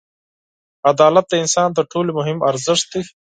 • عدالت د انسان تر ټولو مهم ارزښت دی.